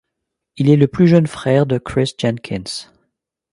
Il est le plus jeune frère de Kris Jenkins.